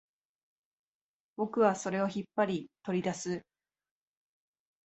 僕はそれを引っ張り、取り出す